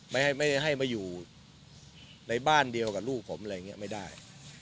ไม่ให้มาอยู่ในบ้านเดียวกับลูกผมอะไรอย่างนี้ไม่ได้